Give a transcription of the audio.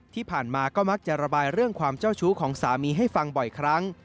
ที่ผ่านมาก็มักจะระบายเรื่องความเจ้าชู้ของสามีให้ฟังบ่อยครั้ง